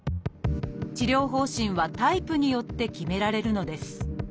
治療方針はタイプによって決められるのです。